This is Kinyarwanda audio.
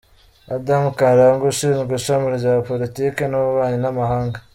Adam Karangwa ushinzwe ishami rya politike n’ububanyi n’amahanga,